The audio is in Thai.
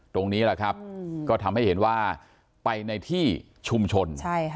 ตรงนี้แหละครับก็ทำให้เห็นว่าไปในที่ชุมชน